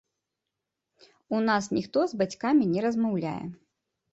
У нас ніхто з бацькамі не размаўляе.